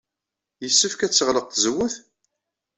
Yessefk ad teɣleq tazewwut?